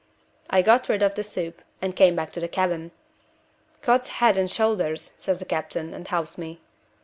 I got rid of the soup, and came back to the cabin. 'Cod's head and shoulders,' says the captain, and helps me.